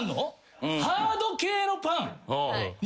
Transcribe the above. ハード系のパン。